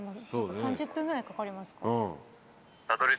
３０分ぐらいかかりますか。